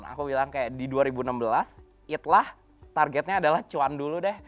aku bilang kayak di dua ribu enam belas itlah targetnya adalah cuan dulu deh